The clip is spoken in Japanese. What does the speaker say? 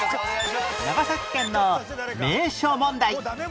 長崎県の名所問題